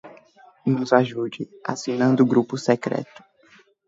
nos ajude assinando o grupo secreto